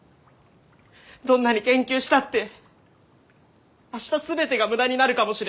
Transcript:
どんなに研究したって明日全てが無駄になるかもしれない。